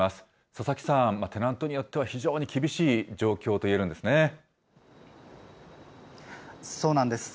佐々木さん、テナントによっては非常に厳しい状況といえるんですね。